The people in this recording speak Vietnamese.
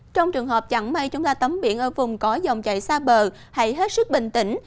trong trường hợp chẳng may chúng ta tắm biển ở vùng có dòng chảy xa bờ hãy hết sức bình tĩnh